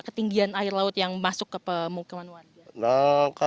ketinggian air laut yang masuk ke pemukiman warga